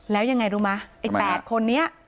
แล้วยังไงรู้มั้ย๘คนนี้